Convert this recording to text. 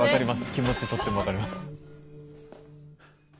気持ちとっても分かります。